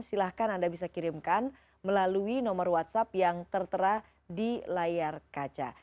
silahkan anda bisa kirimkan melalui nomor whatsapp yang tertera di layar kaca